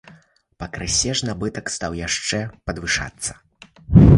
Пакрысе ж набытак стаў яшчэ падвышацца.